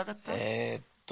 えっと